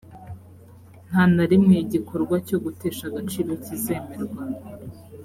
nta na rimwe igikorwa cyo gutesha agaciro kizemerwa